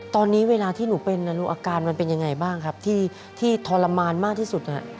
ตอนนี้เวลาที่หนูเป็นนะลูกอาการมันเป็นยังไงบ้างครับที่ทรมานมากที่สุด